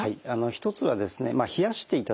１つは冷やしていただく。